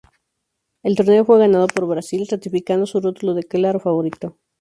El torneo fue ganado por Brasil ratificando su rótulo de claro favorito.